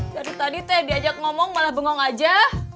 dari tadi teh diajak ngomong malah bengong aja